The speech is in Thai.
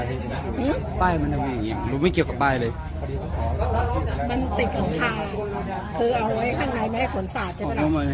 อันนี้มันเพิ่งจะหันหน้ากล้องไปหรือมันจะลงส่องวางเอง